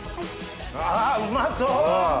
あうまそう！